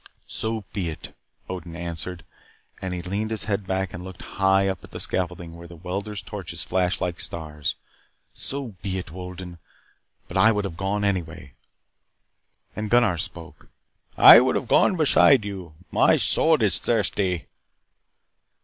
"So be it," Odin answered and he leaned his head back and looked high up at the scaffolding where the welders' torches flashed like stars. "So be it, Wolden. But I would have gone anyway." And Gunnar spoke: "I would have gone beside you. My sword is thirsty."